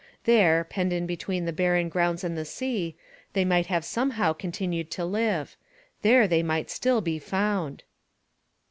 There, penned in between the barren grounds and the sea, they might have somehow continued to live: there they might still be found.